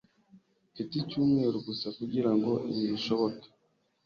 Mfite icyumweru gusa kugirango ibi bishoboke.